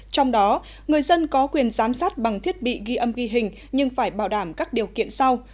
trong đó người dân có quyền giám sát bằng thiết bị ghi âm ghi hình nhưng phải bảo đảm các điều kiện sau